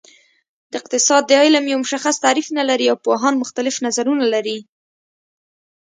د اقتصاد علم یو مشخص تعریف نلري او پوهان مختلف نظرونه لري